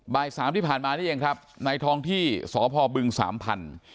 บ่าย๓ที่ผ่านมานี่เองครับในทองที่สพบึง๓๐๐๐บาท